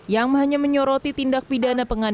yang hanya menyoroti tindak pidana pengadilan